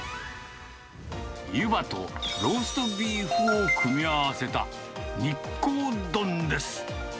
ゆばとローストビーフを組み合わせた、ＮＩＫＫＯ丼です。